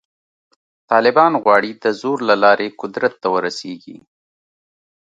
طالبان غواړي د زور له لارې قدرت ته ورسېږي.